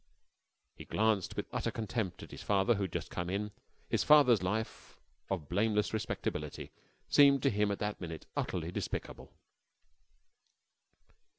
He glanced with utter contempt at his father who had just come in. His father's life of blameless respectability seemed to him at that minute utterly despicable.